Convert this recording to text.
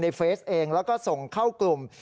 เฟซเองแล้วก็ส่งเข้ากลุ่ม